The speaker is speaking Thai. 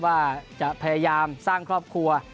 ว่าจะพยายามสร้างครอบครัว